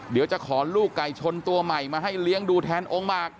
เดี๋ยวจะขอลูกไก่ชนตัวใหม่มาให้เลี้ยงดูแทนองค์หมาก